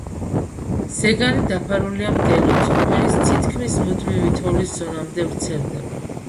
ზეგანი დაფარულია მდელოთი, რომელიც თითქმის მუდმივი თოვლის ზონამდე ვრცელდება.